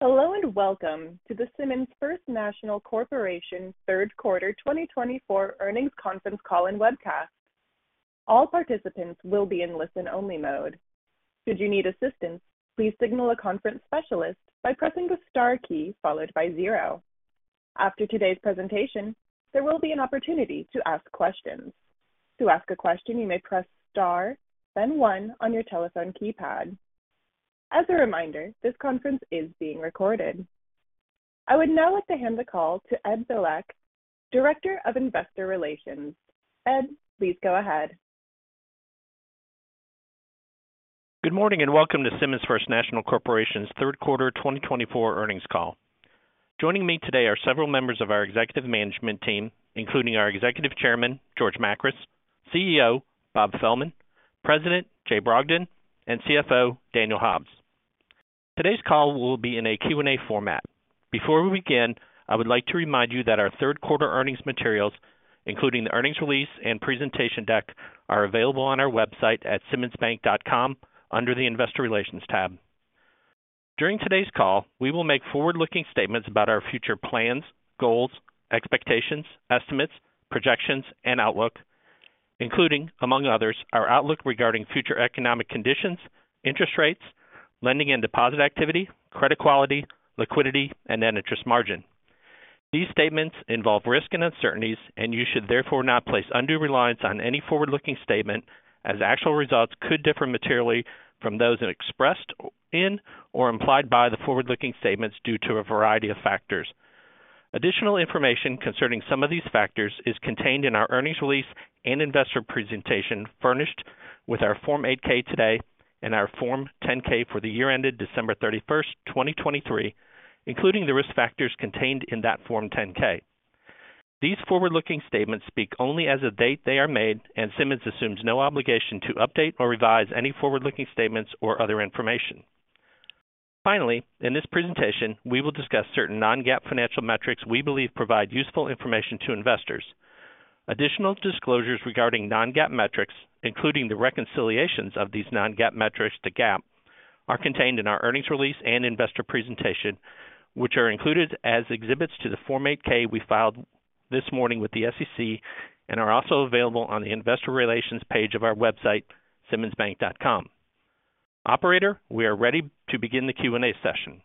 Hello, and welcome to the Simmons First National Corporation Third Quarter 2024 Earnings Conference Call and Webcast. All participants will be in listen-only mode. Should you need assistance, please signal a conference specialist by pressing the star key followed by zero. After today's presentation, there will be an opportunity to ask questions. To ask a question, you may press star, then one on your telephone keypad. As a reminder, this conference is being recorded. I would now like to hand the call to Ed Bilek, Director of Investor Relations. Ed, please go ahead. Good morning, and welcome to Simmons First National Corporation's Third Quarter 2024 Earnings Call. Joining me today are several members of our executive management team, including our Executive Chairman, George Makris, CEO, Bob Fehlman, President, Jay Brogdon, and CFO, Daniel Hobbs. Today's call will be in a Q and A format. Before we begin, I would like to remind you that our third quarter earnings materials, including the earnings release and presentation deck, are available on our website at simmonsbank.com, under the Investor Relations tab. During today's call, we will make forward-looking statements about our future plans, goals, expectations, estimates, projections, and outlook, including, among others, our outlook regarding future economic conditions, interest rates, lending and deposit activity, credit quality, liquidity, and net interest margin. These statements involve risk and uncertainties, and you should therefore not place undue reliance on any forward-looking statement, as actual results could differ materially from those expressed in or implied by the forward-looking statements due to a variety of factors. Additional information concerning some of these factors is contained in our earnings release and investor presentation, furnished with our Form 8-K today and our Form 10-K for the year ended December 31st, 2023, including the risk factors contained in that Form 10-K. These forward-looking statements speak only as of the date they are made, and Simmons assumes no obligation to update or revise any forward-looking statements or other information. Finally, in this presentation, we will discuss certain non-GAAP financial metrics we believe provide useful information to investors. Additional disclosures regarding non-GAAP metrics, including the reconciliations of these non-GAAP metrics to GAAP, are contained in our earnings release and investor presentation, which are included as exhibits to the Form 8-K we filed this morning with the SEC and are also available on the Investor Relations page of our website, simmonsbank.com. Operator, we are ready to begin the Q and A session.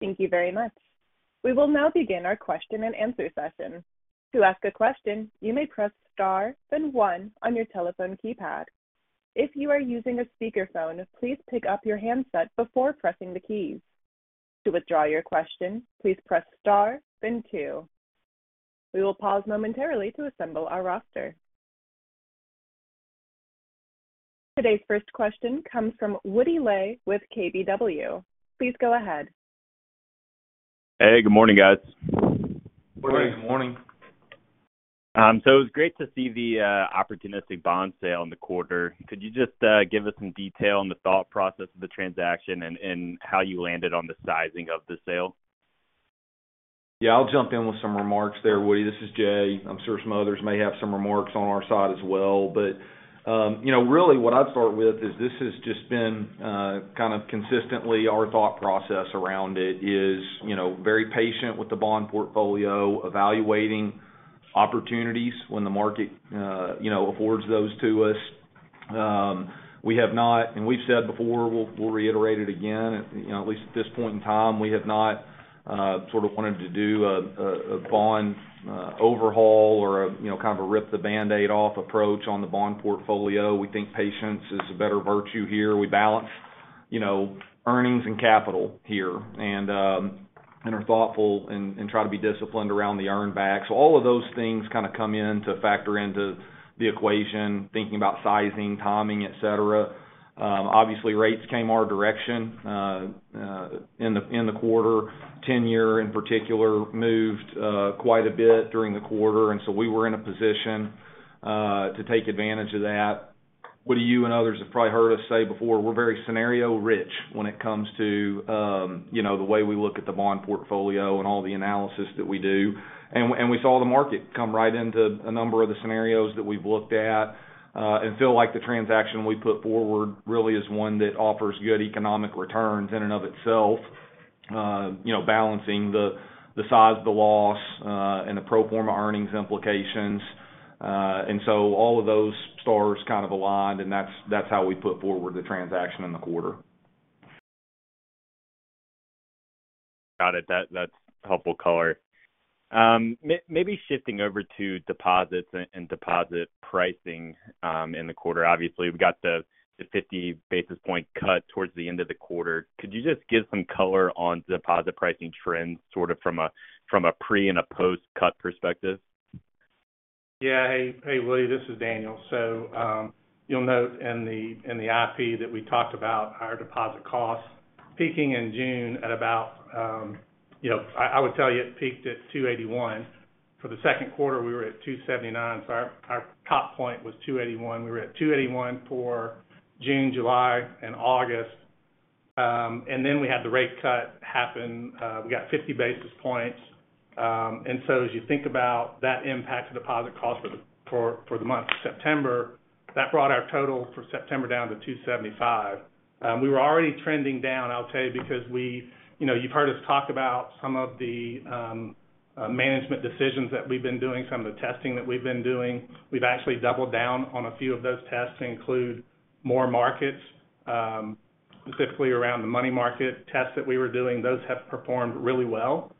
Thank you very much. We will now begin our question and answer session. To ask a question, you may press star, then one on your telephone keypad. If you are using a speakerphone, please pick up your handset before pressing the keys. To withdraw your question, please press star, then two. We will pause momentarily to assemble our roster. Today's first question comes from Woody Lay with KBW. Please go ahead. Hey, good morning, guys. Good morning. Good morning. So it was great to see the opportunistic bond sale in the quarter. Could you just give us some detail on the thought process of the transaction and how you landed on the sizing of the sale? Yeah, I'll jump in with some remarks there, Woody. This is Jay. I'm sure some others may have some remarks on our side as well. But, you know, really, what I'd start with is this has just been, kind of consistently our thought process around it is, you know, very patient with the bond portfolio, evaluating opportunities when the market, you know, affords those to us. We have not, and we've said before, we'll reiterate it again, you know, at least at this point in time, we have not sort of wanted to do a bond overhaul or, you know, kind of a rip the Band-Aid off approach on the bond portfolio. We think patience is a better virtue here. We balance, you know, earnings and capital here and are thoughtful and try to be disciplined around the earn backs. All of those things kind of come in to factor into the equation, thinking about sizing, timing, et cetera. Obviously, rates came our direction in the quarter. 10-year, in particular, moved quite a bit during the quarter, and so we were in a position to take advantage of that. Woody, you and others have probably heard us say before, we're very scenario-rich when it comes to, you know, the way we look at the bond portfolio and all the analysis that we do. And we saw the market come right into a number of the scenarios that we've looked at, and feel like the transaction we put forward really is one that offers good economic returns in and of itself. You know, balancing the size of the loss, and the pro forma earnings implications. And so all of those stars kind of aligned, and that's how we put forward the transaction in the quarter. Got it. That, that's helpful color. Maybe shifting over to deposits and deposit pricing in the quarter. Obviously, we've got the 50 basis point cut towards the end of the quarter. Could you just give some color on deposit pricing trends, sort of from a pre and a post-cut perspective? Yeah. Hey, hey, Woody, this is Daniel. So, you'll note in the, in the IP that we talked about our deposit costs peaking in June at about, you know, I would tell you it peaked at 2.81. For the second quarter, we were at 2.79, so our top point was 2.81. We were at 2.81 for June, July, and August. And then we had the rate cut happen. We got 50 basis points. And so as you think about that impact to deposit cost for the month of September, that brought our total for September down to 2.75. We were already trending down, I'll tell you, because we you know, you've heard us talk about some of the management decisions that we've been doing, some of the testing that we've been doing. We've actually doubled down on a few of those tests to include more markets, specifically around the money market tests that we were doing. Those have performed really well.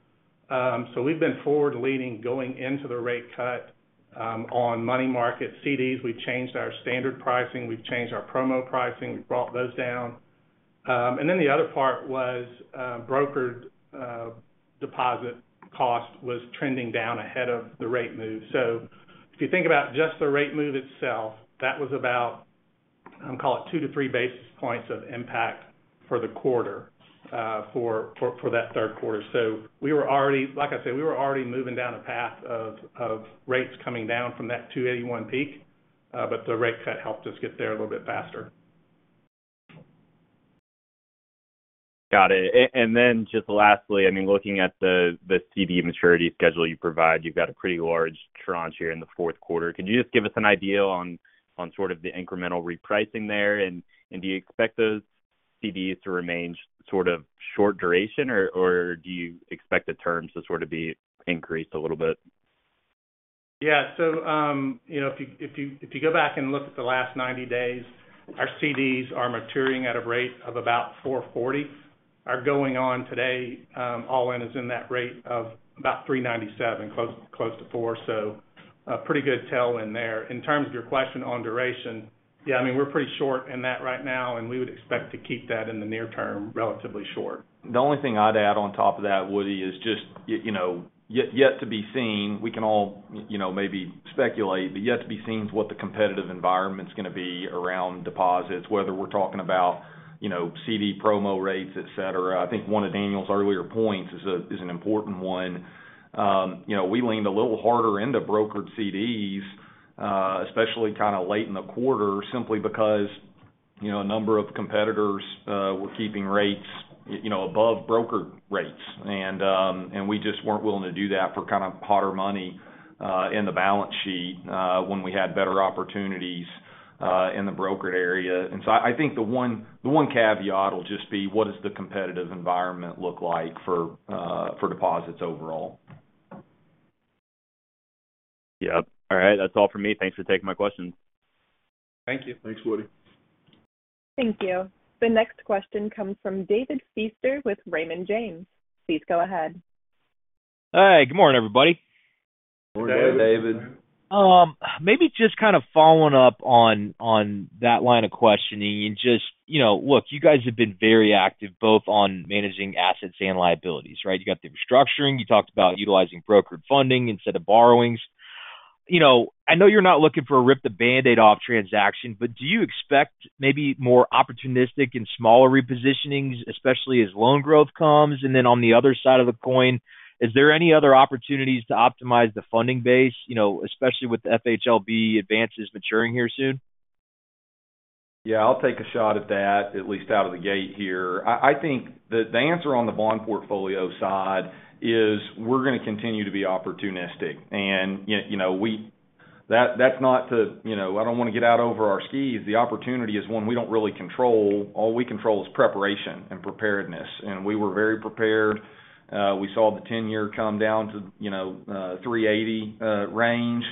So we've been forward-leading, going into the rate cut, on money market CDs. We've changed our standard pricing, we've changed our promo pricing, we've brought those down. And then the other part was, brokered deposit cost was trending down ahead of the rate move. So if you think about just the rate move itself, that was about, call it 2 to 3 basis points of impact for the quarter, for that third quarter. So we were already. Like I said, we were already moving down a path of rates coming down from that 2.81 peak, but the rate cut helped us get there a little bit faster. Got it. And then just lastly, I mean, looking at the CD maturity schedule you provide, you've got a pretty large tranche here in the fourth quarter. Could you just give us an idea on sort of the incremental repricing there? And do you expect those CDs to remain sort of short duration, or do you expect the terms to sort of be increased a little bit? Yeah. So, you know, if you go back and look at the last 90 days, our CDs are maturing at a rate of about 4.40. Our going on today, all-in, is in that rate of about 3.97, close to 4. So a pretty good tailwind there. In terms of your question on duration, yeah, I mean, we're pretty short in that right now, and we would expect to keep that in the near term, relatively short. The only thing I'd add on top of that, Woody, is just you know, yet to be seen, we can all, you know, maybe speculate, but yet to be seen is what the competitive environment's going to be around deposits, whether we're talking about, you know, CD promo rates, et cetera. I think one of Daniel's earlier points is an important one. You know, we leaned a little harder into brokered CDs, especially kind of late in the quarter, simply because, you know, a number of competitors were keeping rates, you know, above brokered rates. And we just weren't willing to do that for kind of hotter money in the balance sheet, when we had better opportunities in the brokered area. And so I think the one caveat will just be, what does the competitive environment look like for deposits overall? Yep. All right. That's all for me. Thanks for taking my questions. Thank you. Thanks, Woody. Thank you. The next question comes from David Feaster with Raymond James. Please go ahead. Hi, good morning, everybody. Good morning, David. Morning, David. Maybe just kind of following up on that line of questioning, and just, you know, look, you guys have been very active, both on managing assets and liabilities, right? You got the restructuring, you talked about utilizing brokered funding instead of borrowings. You know, I know you're not looking for a rip-the-Band-Aid-off transaction, but do you expect maybe more opportunistic and smaller repositionings, especially as loan growth comes? And then on the other side of the coin, is there any other opportunities to optimize the funding base, you know, especially with the FHLB advances maturing here soon? Yeah, I'll take a shot at that, at least out of the gate here. I think the answer on the bond portfolio side is, we're going to continue to be opportunistic, and you know, that's not to. You know, I don't want to get out over our skis. The opportunity is one we don't really control. All we control is preparation and preparedness, and we were very prepared. We saw the 10-year come down to, you know, 3.80 range.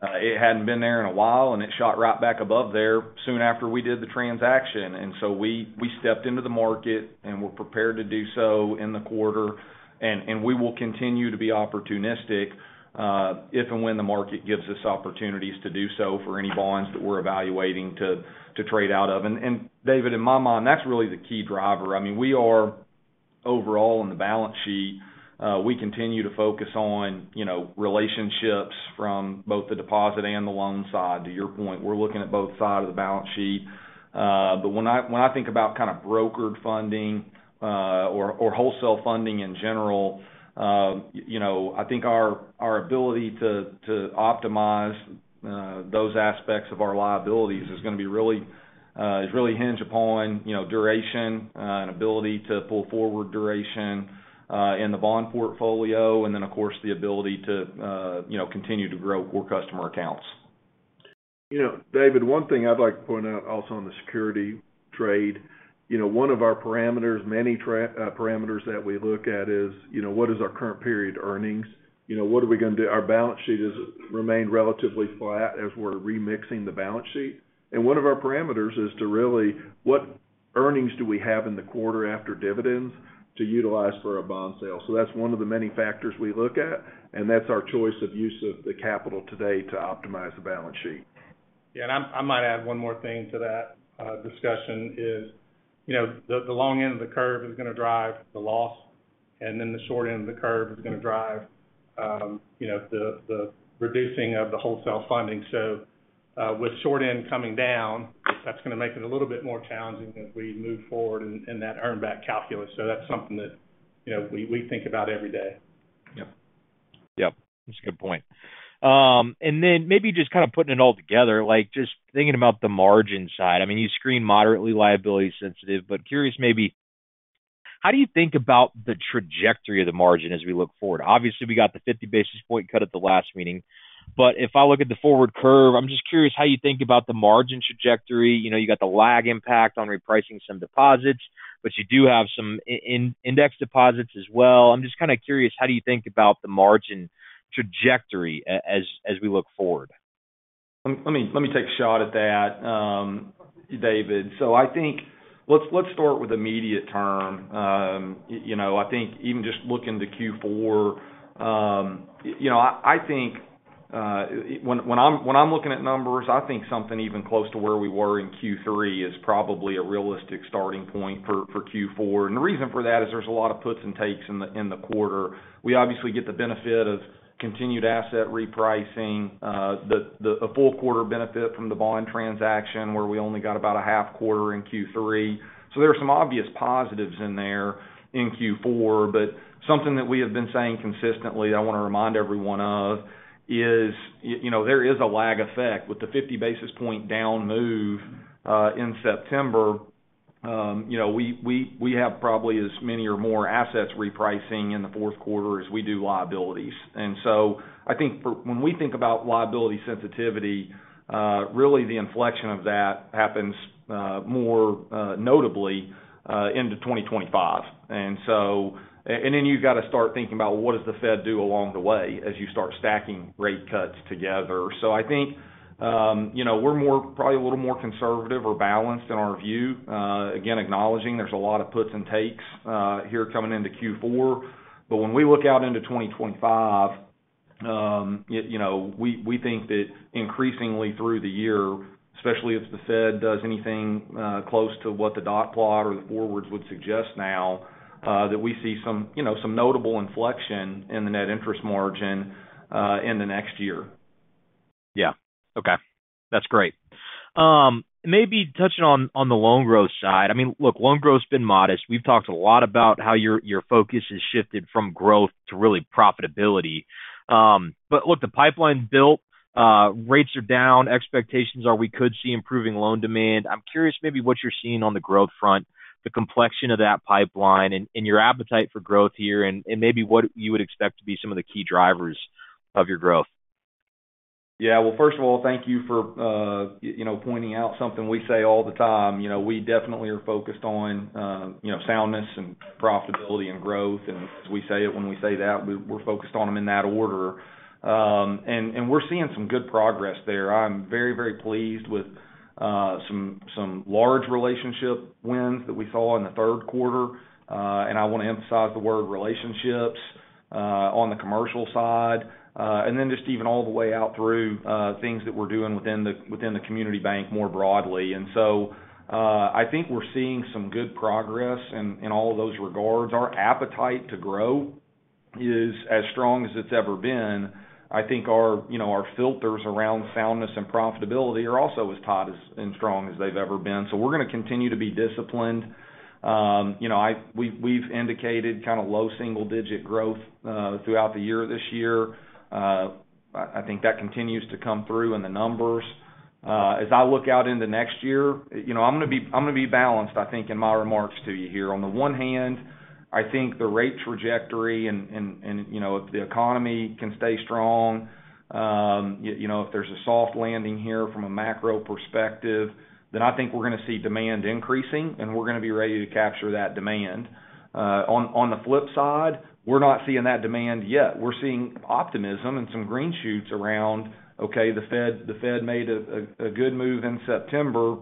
It hadn't been there in a while, and it shot right back above there soon after we did the transaction, and so we stepped into the market, and we're prepared to do so in the quarter. We will continue to be opportunistic, if and when the market gives us opportunities to do so for any bonds that we're evaluating to trade out of. And David, in my mind, that's really the key driver. I mean, we are overall in the balance sheet, we continue to focus on, you know, relationships from both the deposit and the loan side. To your point, we're looking at both sides of the balance sheet. But when I think about kind of brokered funding, or wholesale funding in general, you know, I think our ability to optimize those aspects of our liabilities is going to really hinge upon, you know, duration and ability to pull forward duration in the bond portfolio, and then, of course, the ability to, you know, continue to grow core customer accounts. You know, David, one thing I'd like to point out also on the security trade, you know, one of our parameters, many parameters that we look at is, you know, what is our current period earnings? You know, what are we going to do? Our balance sheet has remained relatively flat as we're remixing the balance sheet. And one of our parameters is to really, what earnings do we have in the quarter after dividends to utilize for a bond sale? So that's one of the many factors we look at, and that's our choice of use of the capital today to optimize the balance sheet. Yeah, and I might add one more thing to that discussion is, you know, the long end of the curve is going to drive the loss, and then the short end of the curve is going to drive, you know, the reducing of the wholesale funding. So, with short end coming down, that's going to make it a little bit more challenging as we move forward in that earn back calculus. So that's something that, you know, we think about every day. Yep. Yep, that's a good point, and then maybe just kind of putting it all together, like, just thinking about the margin side. I mean, you screen moderately liability sensitive, but curious maybe, how do you think about the trajectory of the margin as we look forward? Obviously, we got the 50 basis points cut at the last meeting, but if I look at the forward curve, I'm just curious how you think about the margin trajectory. You know, you got the lag impact on repricing some deposits, but you do have some index deposits as well. I'm just kind of curious, how do you think about the margin trajectory as we look forward? Let me, let me take a shot at that, David. So I think let's start with immediate term. You know, I think even just looking to Q4, you know, I think when I'm looking at numbers, I think something even close to where we were in Q3 is probably a realistic starting point for Q4. And the reason for that is there's a lot of puts and takes in the quarter. We obviously get the benefit of continued asset repricing, a full quarter benefit from the bond transaction, where we only got about a half quarter in Q3. So there are some obvious positives in there in Q4, but something that we have been saying consistently, I want to remind everyone of, is, you know, there is a lag effect. With the 50 basis point down move in September, you know, we have probably as many or more assets repricing in the fourth quarter as we do liabilities. And so I think when we think about liability sensitivity, really, the inflection of that happens more notably into 2025. And then you've got to start thinking about what does the Fed do along the way, as you start stacking rate cuts together. So I think, you know, we're probably a little more conservative or balanced in our view. Again, acknowledging there's a lot of puts and takes here coming into Q4. But when we look out into 2025, you know, we think that increasingly through the year, especially if the Fed does anything close to what the dot plot or the forwards would suggest now, that we see some, you know, some notable inflection in the net interest margin in the next year. Yeah. Okay. That's great. Maybe touching on, on the loan growth side. I mean, look, loan growth's been modest. We've talked a lot about how your, your focus has shifted from growth to really profitability. But look, the pipeline built, rates are down, expectations are we could see improving loan demand. I'm curious maybe what you're seeing on the growth front, the complexion of that pipeline and, and your appetite for growth here, and, and maybe what you would expect to be some of the key drivers of your growth. Yeah. Well, first of all, thank you for, you know, pointing out something we say all the time. You know, we definitely are focused on, you know, soundness and profitability and growth, and as we say it, when we say that, we're focused on them in that order. And we're seeing some good progress there. I'm very, very pleased with some large relationship wins that we saw in the third quarter. And I want to emphasize the word relationships on the commercial side, and then just even all the way out through things that we're doing within the community bank more broadly. And so I think we're seeing some good progress in all of those regards. Our appetite to grow is as strong as it's ever been. I think our, you know, our filters around soundness and profitability are also as tight as and strong as they've ever been. So we're going to continue to be disciplined. You know, we've indicated kind of low single digit growth throughout the year, this year. I think that continues to come through in the numbers. As I look out into next year, you know, I'm going to be balanced, I think, in my remarks to you here. On the one hand, I think the rate trajectory and you know, if the economy can stay strong, you know, if there's a soft landing here from a macro perspective, then I think we're going to see demand increasing, and we're going to be ready to capture that demand. On the flip side, we're not seeing that demand yet. We're seeing optimism and some green shoots around the Fed. The Fed made a good move in September.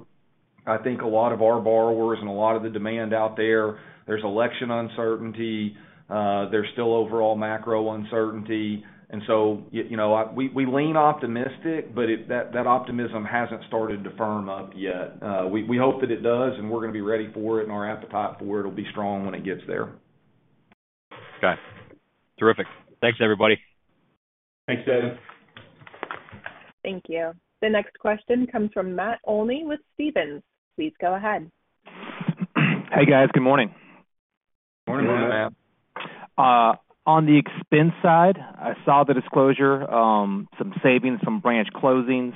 I think a lot of our borrowers and a lot of the demand out there, there's election uncertainty. There's still overall macro uncertainty. So, you know, we lean optimistic, but it - that optimism hasn't started to firm up yet. We hope that it does, and we're going to be ready for it, and our appetite for it will be strong when it gets there. Okay. Terrific. Thanks, everybody. Thanks, David. Thank you. The next question comes from Matt Olney with Stephens. Please go ahead. Hey, guys. Good morning. Morning, Matt. On the expense side, I saw the disclosure, some savings from branch closings.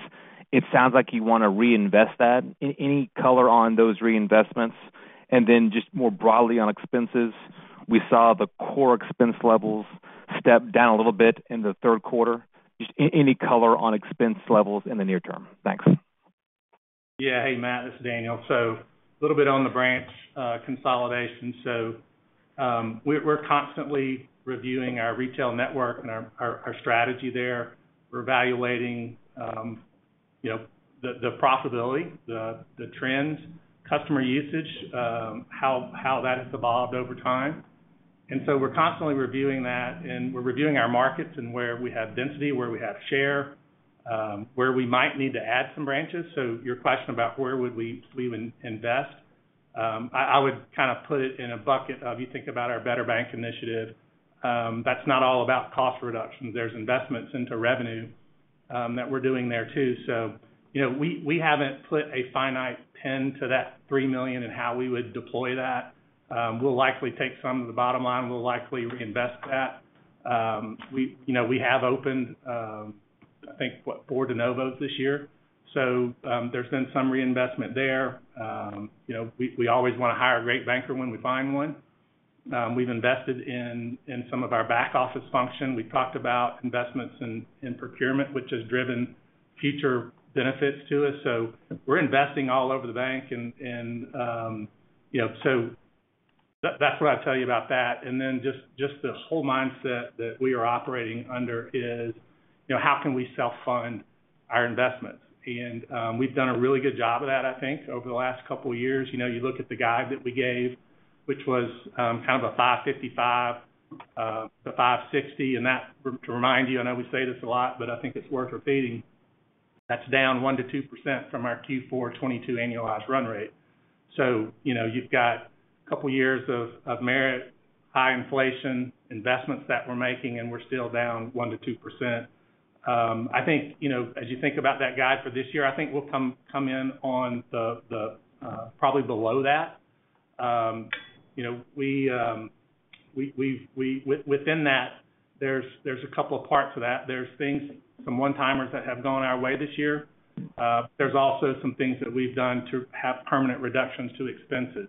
It sounds like you want to reinvest that. Any color on those reinvestments? And then just more broadly on expenses, we saw the core expense levels step down a little bit in the third quarter. Just any color on expense levels in the near term? Thanks. Yeah. Hey, Matt, this is Daniel. So a little bit on the branch consolidation. So we're constantly reviewing our retail network and our strategy there. We're evaluating you know the profitability the trends customer usage how that has evolved over time. And so we're constantly reviewing that, and we're reviewing our markets and where we have density, where we have share where we might need to add some branches. So your question about where would we leave and invest I would kind of put it in a bucket of you think about our Better Bank Initiative. That's not all about cost reductions. There's investments into revenue that we're doing there too. So you know we haven't put a finite pin to that $3 million and how we would deploy that. We'll likely take some of the bottom line. We'll likely reinvest that. We, you know, have opened, I think, what? Four de novos this year, so there's been some reinvestment there. You know, we always want to hire a great banker when we find one. We've invested in some of our back office function. We've talked about investments in procurement, which has driven future benefits to us, so we're investing all over the bank, and, you know, that's what I'll tell you about that, and then just the whole mindset that we are operating under is, you know, how can we self-fund our investments, and we've done a really good job of that, I think, over the last couple of years. You know, you look at the guide that we gave, which was kind of a 555 to 560, and that, to remind you, I know we say this a lot, but I think it's worth repeating, that's down 1% to 2% from our Q4 2022 annualized run rate. So, you know, you've got a couple of years of merit, high inflation, investments that we're making, and we're still down 1% to 2%. I think, you know, as you think about that guide for this year, I think we'll come in on the probably below that. You know, we've within that, there's a couple of parts of that. There's things, some one-timers that have gone our way this year. There's also some things that we've done to have permanent reductions to expenses.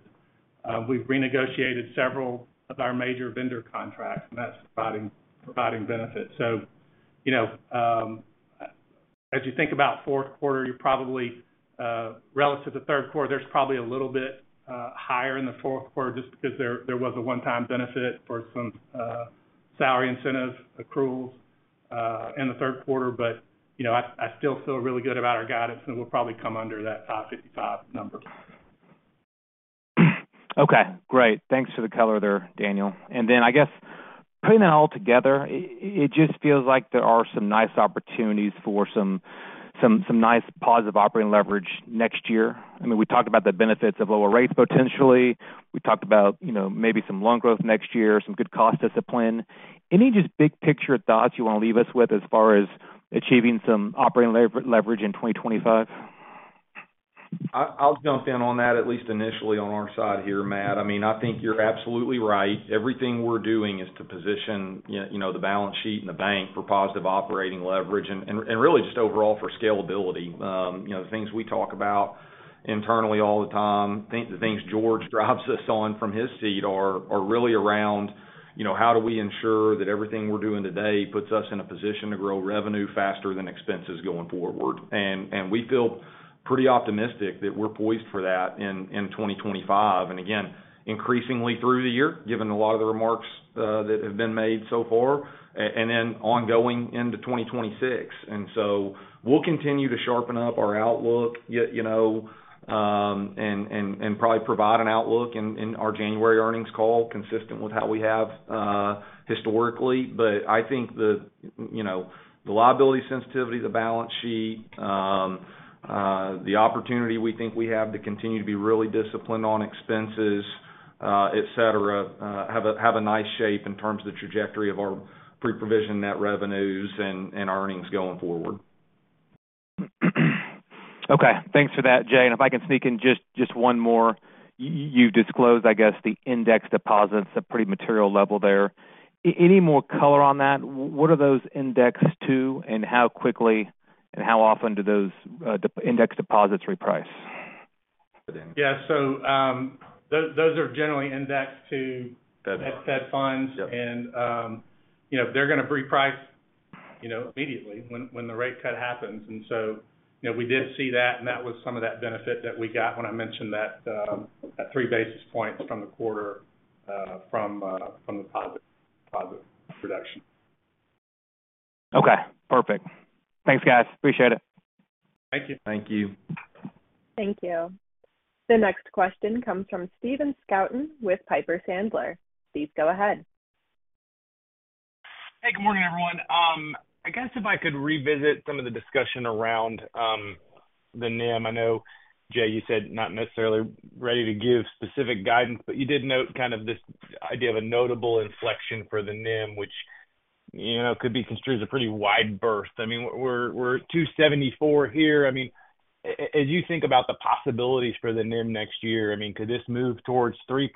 We've renegotiated several of our major vendor contracts, and that's providing benefits. So, you know, as you think about fourth quarter, you're probably relative to third quarter, there's probably a little bit higher in the fourth quarter just because there was a one-time benefit for some salary incentive accruals in the third quarter. But, you know, I still feel really good about our guidance, and we'll probably come under that 555 number. Okay, great. Thanks for the color there, Daniel. And then, I guess, putting it all together, it just feels like there are some nice opportunities for some nice positive operating leverage next year. I mean, we talked about the benefits of lower rates, potentially. We talked about, you know, maybe some loan growth next year, some good cost discipline. Any just big picture thoughts you want to leave us with as far as achieving some operating leverage in 2025? I'll jump in on that, at least initially, on our side here, Matt. I mean, I think you're absolutely right. Everything we're doing is to position you know the balance sheet and the bank for positive operating leverage and really just overall for scalability. You know, the things we talk about internally all the time, the things George drives us on from his seat are really around, you know, how do we ensure that everything we're doing today puts us in a position to grow revenue faster than expenses going forward? And we feel pretty optimistic that we're poised for that in 2025, and again, increasingly through the year, given a lot of the remarks that have been made so far, and then ongoing into 2026. And so we'll continue to sharpen up our outlook, yet, you know, and probably provide an outlook in our January earnings call, consistent with how we have historically. But I think the, you know, the liability sensitivity, the balance sheet, the opportunity we think we have to continue to be really disciplined on expenses, et cetera, have a nice shape in terms of the trajectory of our pre-provision net revenues and earnings going forward. Okay, thanks for that, Jay. And if I can sneak in just one more. You disclosed, I guess, the indexed deposits, a pretty material level there. Any more color on that? What are those indexed to? And how quickly and how often do those index deposits reprice? Yeah. So, those are generally indexed to— Fed funds Fed funds. Yep. And, you know, they're going to reprice, you know, immediately when the rate cut happens. And so, you know, we did see that, and that was some of that benefit that we got when I mentioned that 3 basis points from the quarter, from the positive reduction. Okay, perfect. Thanks, guys. Appreciate it. Thank you. Thank you. Thank you. The next question comes from Stephen Scouten with Piper Sandler. Please go ahead. Hey, good morning, everyone. I guess if I could revisit some of the discussion around the NIM. I know, Jay, you said not necessarily ready to give specific guidance, but you did note kind of this idea of a notable inflection for the NIM, which, you know, could be construed as a pretty wide berth. I mean, we're 2.74% here. I mean, as you think about the possibilities for the NIM next year, I mean, could this move towards 3%?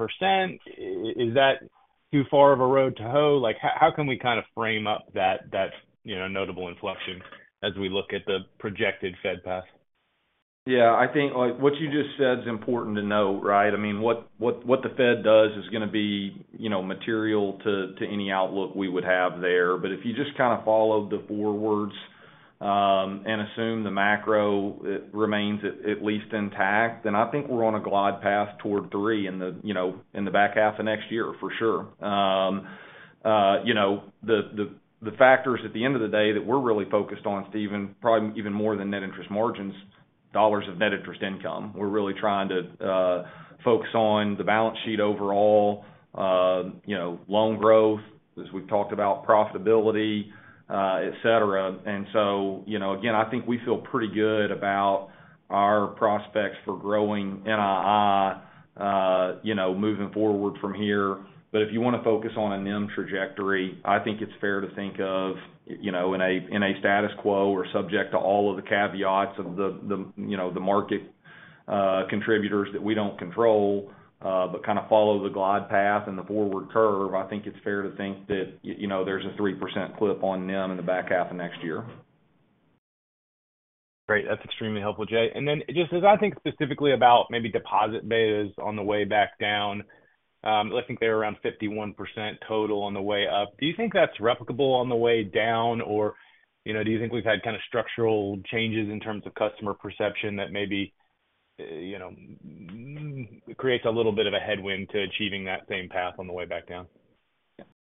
Is that too far of a row to hoe? Like, how can we kind of frame up that notable inflection as we look at the projected Fed path? Yeah, I think, like, what you just said is important to know, right? I mean, what the Fed does is going to be, you know, material to any outlook we would have there. But if you just kind of follow the forwards, and assume the macro, it remains at least intact, then I think we're on a glide path toward three in the, you know, in the back half of next year, for sure. You know, the factors at the end of the day that we're really focused on, Stephen, probably even more than net interest margins, dollars of net interest income. We're really trying to focus on the balance sheet overall, you know, loan growth, as we've talked about profitability, et cetera. And so, you know, again, I think we feel pretty good about our prospects for growing NII, you know, moving forward from here. But if you want to focus on a NIM trajectory, I think it's fair to think of, you know, in a status quo or subject to all of the caveats of the, you know, the market contributors that we don't control, but kind of follow the glide path and the forward curve. I think it's fair to think that, you know, there's a 3% clip on NIM in the back half of next year. Great. That's extremely helpful, Jay. And then just as I think specifically about maybe deposit betas on the way back down, I think they're around 51% total on the way up. Do you think that's replicable on the way down? Or, you know, do you think we've had kind of structural changes in terms of customer perception that maybe, you know, creates a little bit of a headwind to achieving that same path on the way back down?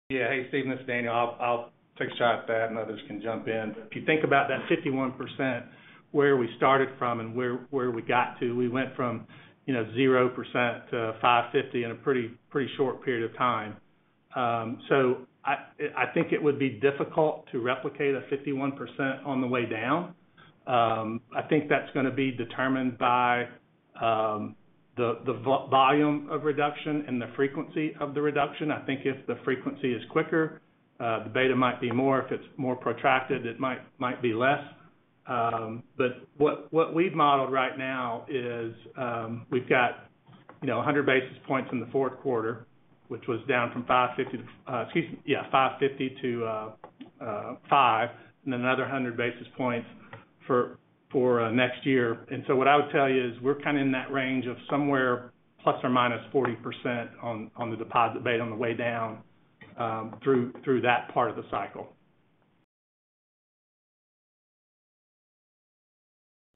Yeah. Hey, Stephen, this is Daniel. I'll take a shot at that, and others can jump in. But if you think about that 51%, where we started from and where we got to, we went from, you know, 0% to 5.50% in a pretty short period of time. So I think it would be difficult to replicate a 51% on the way down. I think that's going to be determined by the volume of reduction and the frequency of the reduction. I think if the frequency is quicker, the beta might be more. If it's more protracted, it might be less. But what we've modeled right now is we've got, you know, 100 basis points in the fourth quarter, which was down from 550 to 5. Excuse me, yeah, 5.50 to 5, and then another 100 basis points for next year. And so what I would tell you is, we're kind of in that range of somewhere plus or minus 40% on the deposit beta on the way down through that part of the cycle.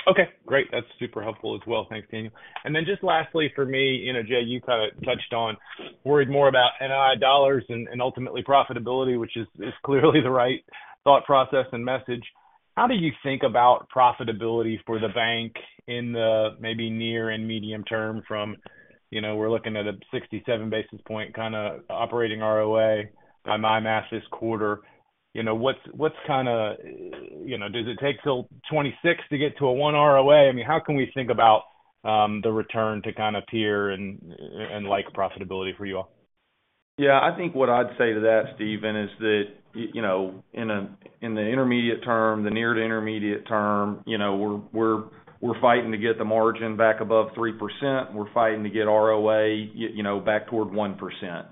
Okay, great. That's super helpful as well. Thanks, Daniel. And then just lastly, for me, you know, Jay, you kind of touched on, worried more about NII dollars and, and ultimately profitability, which is, is clearly the right thought process and message. How do you think about profitability for the bank in the maybe near and medium term from, you know, we're looking at a 67 basis point, kind of, operating ROA, on my math this quarter. You know, what's, what's kind of, you know, does it take till 2026 to get to a 1 ROA? I mean, how can we think about the return to kind of tier and, and like profitability for you all? Yeah, I think what I'd say to that, Stephen, is that you know, in the intermediate term, the near to intermediate term, you know, we're fighting to get the margin back above 3%. We're fighting to get ROA, you know, back toward 1%.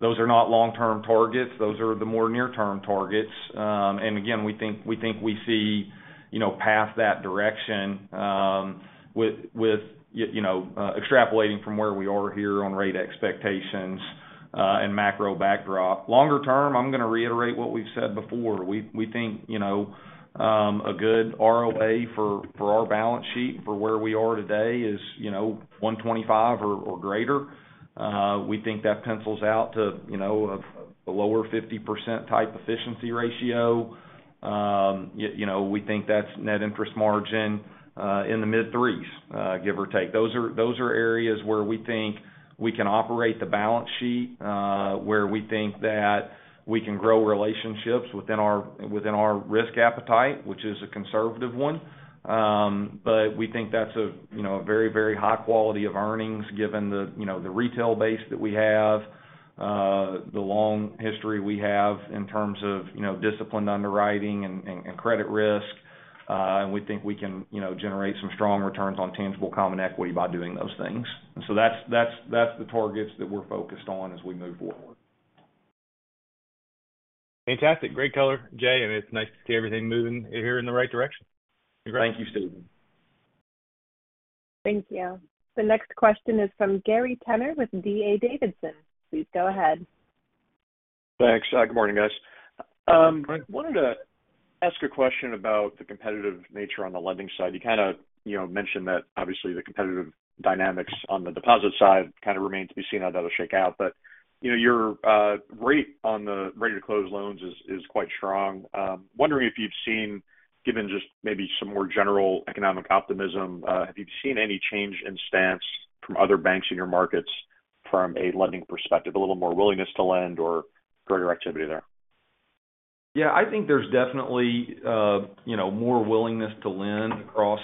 Those are not long-term targets. Those are the more near-term targets. And again, we think we see you know past that direction with you know extrapolating from where we are here on rate expectations and macro backdrop. Longer term, I'm going to reiterate what we've said before. We think you know a good ROA for our balance sheet for where we are today is you know 1.25% or greater. We think that pencils out to, you know, a lower 50% type efficiency ratio. You know, we think that's net interest margin in the mid threes, give or take. Those are areas where we think we can operate the balance sheet, where we think that we can grow relationships within our risk appetite, which is a conservative one. But we think that's, you know, a very, very high quality of earnings, given the, you know, the retail base that we have, the long history we have in terms of, you know, disciplined underwriting and credit risk. And we think we can, you know, generate some strong returns on tangible common equity by doing those things. So that's the targets that we're focused on as we move forward. Fantastic. Great color, Jay, and it's nice to see everything moving here in the right direction. Thank you, Stephen. Thank you. The next question is from Gary Tenner with D.A. Davidson. Please go ahead. Thanks. Good morning, guys. I wanted to ask a question about the competitive nature on the lending side. You kind of, you know, mentioned that obviously the competitive dynamics on the deposit side kind of remain to be seen, how that'll shake out. But, you know, your rate on the ready-to-close loans is quite strong. Wondering if you've seen, given just maybe some more general economic optimism, have you seen any change in stance from other banks in your markets from a lending perspective? A little more willingness to lend or greater activity there? Yeah, I think there's definitely, you know, more willingness to lend across,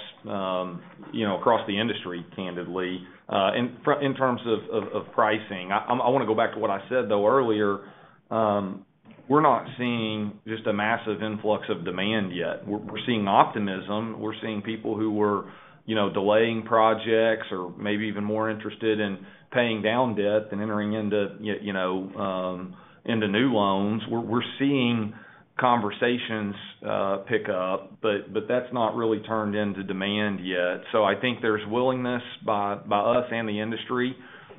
you know, across the industry, candidly, in terms of pricing. I want to go back to what I said, though, earlier. We're not seeing just a massive influx of demand yet. We're seeing optimism. We're seeing people who were, you know, delaying projects or maybe even more interested in paying down debt and entering into, you know, into new loans. We're seeing conversations pick up, but that's not really turned into demand yet. So I think there's willingness by us and the industry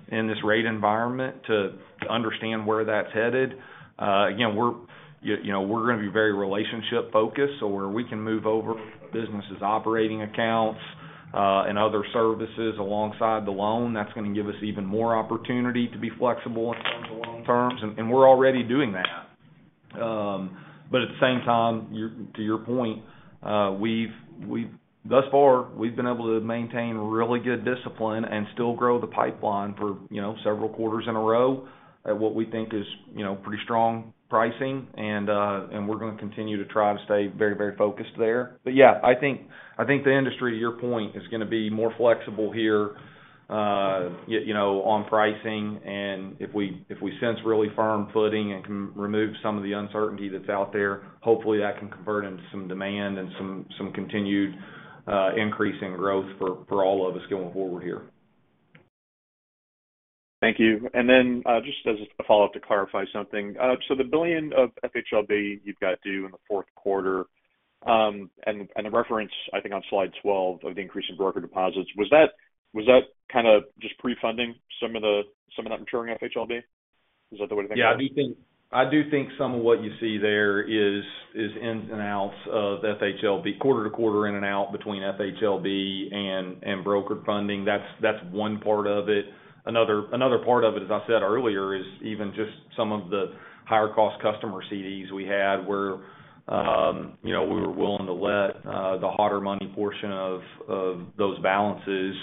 in this rate environment to understand where that's headed. Again, you know, we're going to be very relationship-focused, so where we can move over businesses' operating accounts, and other services alongside the loan, that's going to give us even more opportunity to be flexible in terms of loan terms, and we're already doing that. But at the same time, to your point, we've been able to maintain really good discipline and still grow the pipeline for, you know, several quarters in a row at what we think is, you know, pretty strong pricing. And we're going to continue to try to stay very, very focused there. But yeah, I think, I think the industry, to your point, is going to be more flexible here, you know, on pricing, and if we sense really firm footing and can remove some of the uncertainty that's out there, hopefully, that can convert into some demand and some continued increase in growth for all of us going forward here. Thank you. And then, just as a follow-up to clarify something. So the $1 billion of FHLB you've got due in the fourth quarter, and the reference, I think, on Slide 12 of the increase in broker deposits, was that kind of just pre-funding some of that maturing FHLB? Is that the way to think of it? Yeah, I do think, I do think some of what you see there is ins and outs of FHLB, quarter to quarter in and out between FHLB and brokered funding. That's one part of it. Another part of it, as I said earlier, is even just some of the higher-cost customer CDs we had, where you know, we were willing to let the hotter money portion of those balances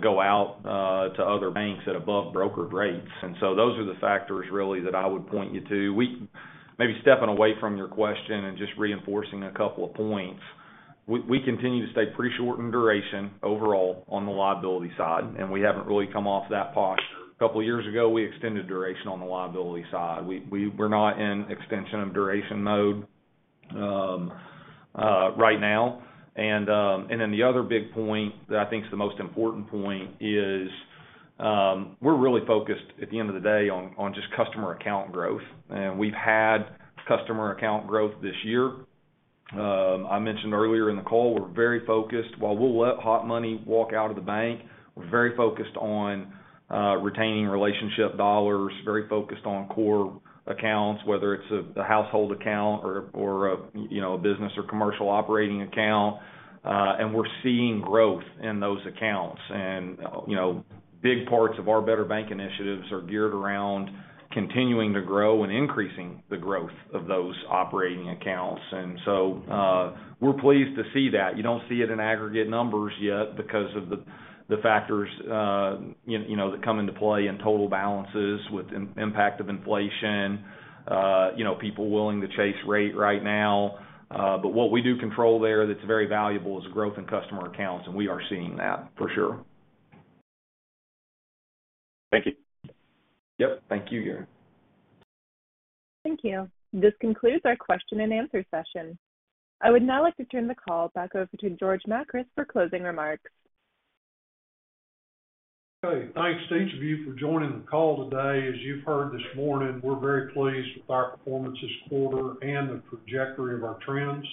go out to other banks at above brokered rates. And so those are the factors really that I would point you to. We, maybe stepping away from your question and just reinforcing a couple of points. We continue to stay pretty short in duration overall on the liability side, and we haven't really come off that posture. A couple of years ago, we extended duration on the liability side. We're not in extension of duration mode right now. And then the other big point that I think is the most important point is we're really focused, at the end of the day, on just customer account growth, and we've had customer account growth this year. I mentioned earlier in the call, we're very focused. While we'll let hot money walk out of the bank, we're very focused on retaining relationship dollars, very focused on core accounts, whether it's the household account or you know a business or commercial operating account, and we're seeing growth in those accounts. And you know big parts of our Better Bank Initiatives are geared around continuing to grow and increasing the growth of those operating accounts. And so we're pleased to see that. You don't see it in aggregate numbers yet because of the factors, you know, that come into play in total balances with impact of inflation, you know, people willing to chase rate right now. But what we do control there that's very valuable is growth in customer accounts, and we are seeing that for sure. Thank you. Yep, thank you, Gary. Thank you. This concludes our question and answer session. I would now like to turn the call back over to George Makris for closing remarks. Hey, thanks to each of you for joining the call today. As you've heard this morning, we're very pleased with our performance this quarter and the trajectory of our trends.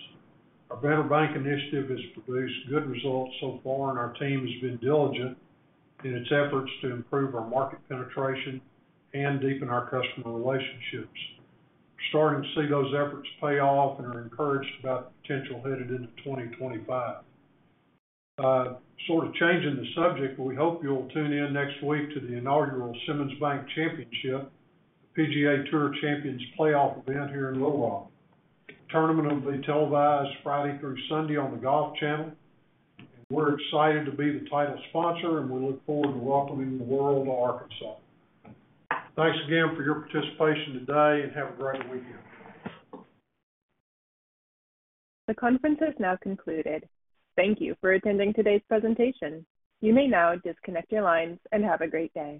Our Better Bank Initiative has produced good results so far, and our team has been diligent in its efforts to improve our market penetration and deepen our customer relationships. We're starting to see those efforts pay off and are encouraged about the potential headed into 2025. Sort of changing the subject, but we hope you'll tune in next week to the inaugural Simmons Bank Championship, PGA Tour Champions playoff event here in Little Rock. Tournament will be televised Friday through Sunday on the Golf Channel, and we're excited to be the title sponsor, and we look forward to welcoming the world to Arkansas. Thanks again for your participation today, and have a great weekend. The conference is now concluded. Thank you for attending today's presentation. You may now disconnect your lines, and have a great day.